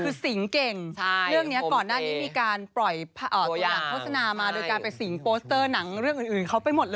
คือสิงเก่งเรื่องนี้ก่อนหน้านี้มีการปล่อยตัวอย่างโฆษณามาโดยการไปสิงโปสเตอร์หนังเรื่องอื่นเขาไปหมดเลย